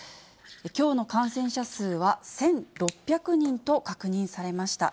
きょうの感染者数は１６００人と確認されました。